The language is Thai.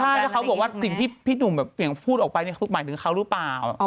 ใช่เขาบอกว่าสิ่งที่พี่หนุ่มพูดออกไปมันหมายถึงเขาหรือเปล่า